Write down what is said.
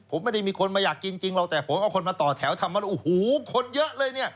ผมไม่ได้มีคนมาอยากกินจริงหรอกแต่ผมเอาคนมาต่อแถวทำมันโอ้โหคนเยอะเลยเนี่ย